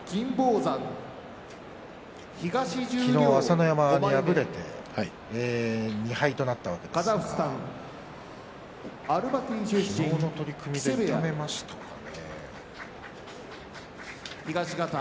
昨日、朝乃山に敗れて２敗になったわけですが昨日の取組で痛めましたかね。